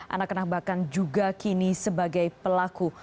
anak anak bahkan juga kini sebagai pelaku